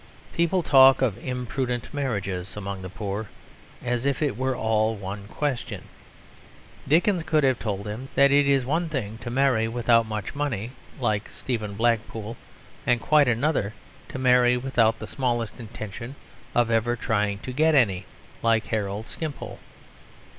People talk of imprudent marriages among the poor, as if it were all one question. Dickens could have told them that it is one thing to marry without much money, like Stephen Blackpool, and quite another to marry without the smallest intention of ever trying to get any, like Harold Skimpole.